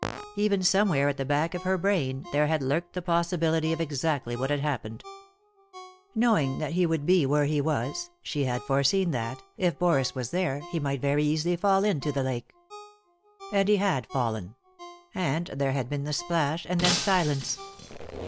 Even, some where at the back of her brain, there had lurked the possibility of exactly what had happened. Knowing that he would be where he was, she had foreseen that, if Boris was there, he might very easily fall into the lake. And he had fallen ; and there had been the splash, and then silence.